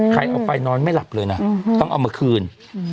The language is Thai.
เอาไปนอนไม่หลับเลยนะต้องเอามาคืน